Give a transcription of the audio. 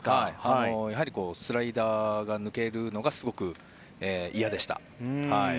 やはりスライダーが抜けるのがすごく嫌でしたね。